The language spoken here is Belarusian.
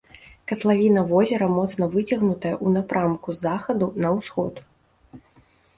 Катлавіна возера моцна выцягнутая ў напрамку з захаду на ўсход.